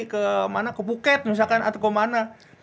ke mana ke puket misalkan atau kemana